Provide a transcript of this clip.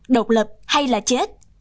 độc lập hay là chết